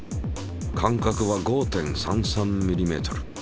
間隔は５．３３ｍｍ。